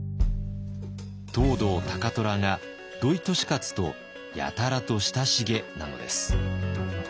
藤堂高虎が土井利勝とやたらと親しげなのです。